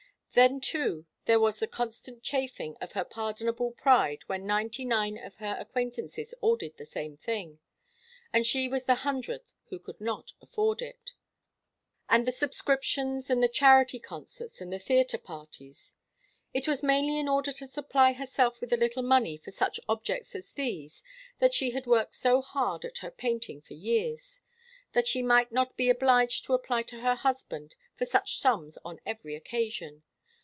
Then, too, there was the constant chafing of her pardonable pride when ninety nine of her acquaintances all did the same thing, and she was the hundredth who could not afford it and the subscriptions and the charity concerts and the theatre parties. It was mainly in order to supply herself with a little money for such objects as these that she had worked so hard at her painting for years that she might not be obliged to apply to her husband for such sums on every occasion.